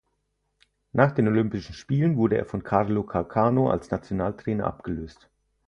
Nach den Olympischen Spielen wurde er von Carlo Carcano als Nationaltrainer abgelöst.